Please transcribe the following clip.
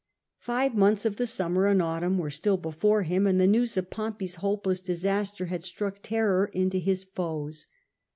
Five months of the summer and autumn were still before him, and the news of Pompey's hopeless disaster had struck terror into his foes.